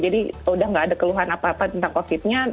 jadi sudah tidak ada keluhan apa apa tentang covid nya